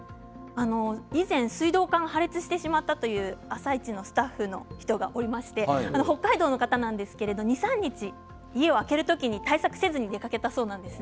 以前、水道管が破裂してしまったという「あさイチ」のスタッフの人がおりまして北海道の方なんですけれど２、３日、家を空ける時に対策をせずに出かけたそうです。